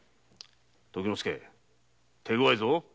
時之介手ごわいぞ。